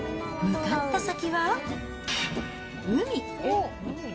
向かった先は、海。